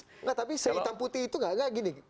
enggak tapi saya hitam putih itu enggak enggak gini